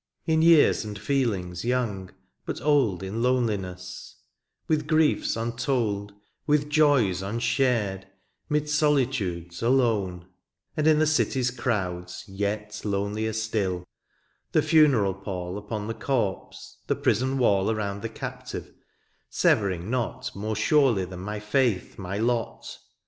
^^ In years and feelings young, but old *^ In loneliness ; with griefs untold, ^^ With joys unshared, 'mid solitudes ^^ Alone ; and in the city's crowds ^^ Yet lonelier still — ^the funeral pall ^^ Upon the corpse, the prison wall '' Around the captive, severing not " More surely than my &ith, my lot